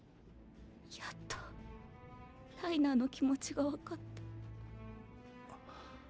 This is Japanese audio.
やっとライナーの気持ちがわかった。